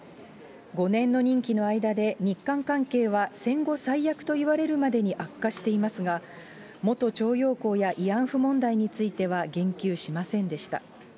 ５年の任期の間で日韓関係は戦後最悪といわれるまでに悪化していますが、元徴用工や慰安婦問題については、言及しませんでした。